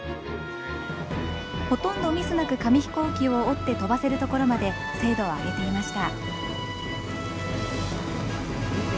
ほとんどミスなく紙ヒコーキを折って飛ばせるところまで精度を上げていました。